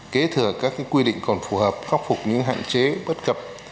kế thừa các quy định còn phù hợp khắc phục những hạn chế bất cập